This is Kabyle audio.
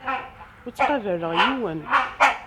Ur ttqabaleɣ yiwen.